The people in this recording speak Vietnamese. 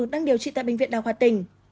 đang điều trị tại bệnh viện đào khoa tỉnh